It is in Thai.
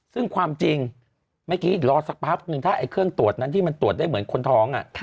ซึ่งความจริงเมื่อกี้รอสักแป๊บนึงถ้าไอ้เครื่องตรวจนั้นที่มันตรวจได้เหมือนคนท้อง